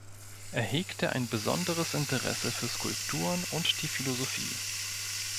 Er hegte ein besonderes Interesse für Skulpturen und die Philosophie.